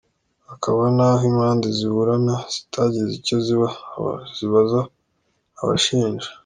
Hakaba n’aho impande ziburana zitagize icyo zibaza abashinja.